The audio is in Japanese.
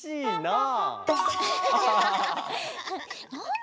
あ！